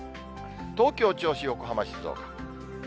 東京、銚子、横浜、静岡。